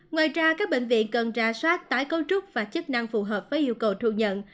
ngoài ra các bệnh viện cần ra soát tái cấu trúc và chức năng phù hợp với yêu cầu thu nhận